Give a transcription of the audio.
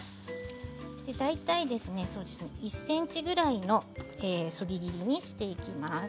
大体、そうですね１ｃｍくらいのそぎ切りにしていきます。